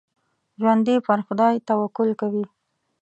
ژوندي پر خدای توکل کوي